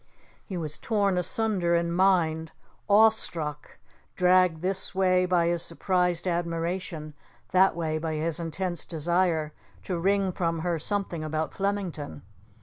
He was torn asunder in mind, awestruck, dragged this way by his surprised admiration, that way by his intense desire to wring from her something about Flemington.